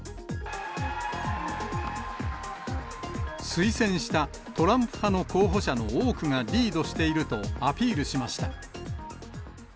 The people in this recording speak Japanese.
推薦したトランプ派の候補者の多くがリードしているとアピールしました。